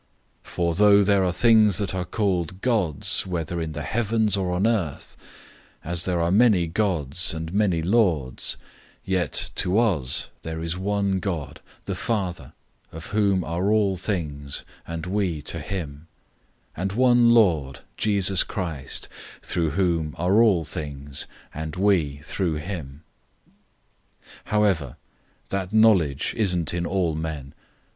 008:005 For though there are things that are called "gods," whether in the heavens or on earth; as there are many "gods" and many "lords;" 008:006 yet to us there is one God, the Father, of whom are all things, and we for him; and one Lord, Jesus Christ, through whom are all things, and we live through him. 008:007 However, that knowledge isn't in all men.